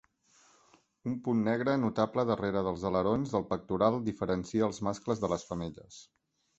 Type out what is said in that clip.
Un punt negre notable darrere dels alerons del pectoral diferencia als mascles de les femelles.